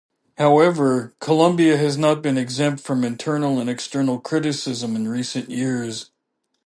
However, Columbia has not been exempt from internal and external criticism in recent years.